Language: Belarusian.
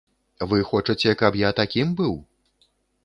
Вы хочаце, каб я такім быў?